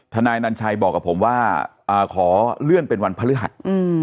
นายนันชัยบอกกับผมว่าขอเลื่อนเป็นวันพฤหัส